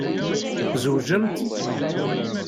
Tzewǧemt?